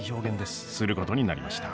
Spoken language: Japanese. することになりました。